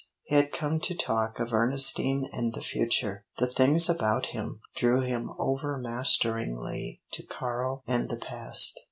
He had come to talk of Ernestine and the future; the things about him drew him overmasteringly to Karl and the past.